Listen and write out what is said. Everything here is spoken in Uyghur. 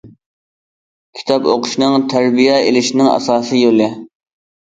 كىتاب ئوقۇشنىڭ تەربىيە ئېلىشنىڭ ئاساسىي يولى.